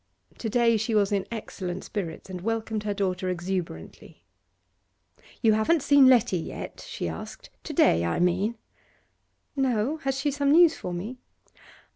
To day she was in excellent spirits, and welcomed her daughter exuberantly. 'You haven't seen Letty yet?' she asked. 'To day, I mean.' 'No. Has she some news for me?